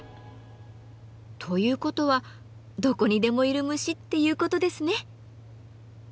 ということはどこにでもいる虫っていうことですね。